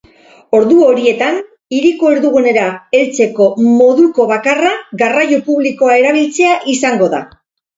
Ordu horietan, hiriko erdigunera heltzeko moduko bakarra garraio publikoa erabiltzea izango da.